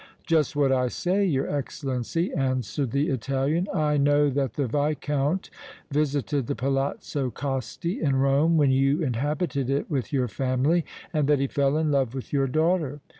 "Just what I say, your Excellency," answered the Italian. "I know that the Viscount visited the Palazzo Costi in Rome when you inhabited it with your family, and that he fell in love with your daughter.